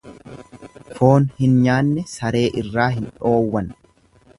Foon hin nyaanne saree irraa hin dhoowwan.